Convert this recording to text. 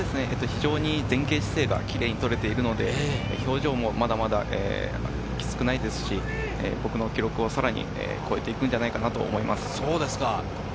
前傾姿勢がキレイに取れているので、表情もまだまだキツくないですし、僕の記録をさらに超えていくんじゃないかなと思います。